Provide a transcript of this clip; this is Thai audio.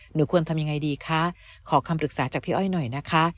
หนูควรทำยังไงดีคะขอคำปรึกษาจากพี่อ้อยหน่อยนะคะ